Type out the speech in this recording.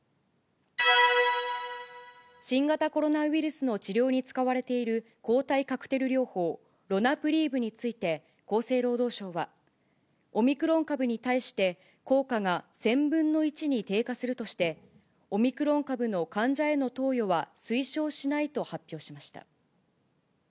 新型コロナウイルスの治療に使われている抗体カクテル療法、ロナプリーブについて厚生労働省は、オミクロン株に対して効果が１０００分の１に低下するとして、オミクロン株の患者への投与は推奨しないと発表しました。